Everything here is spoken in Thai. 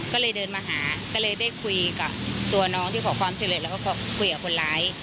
ก็เลยเดินมาหาก็เลยได้คุยกับตัวน้องที่ขอความช่วยเหลือแล้วก็คุยกับคนร้าย